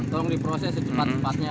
tolong diproses secepat cepatnya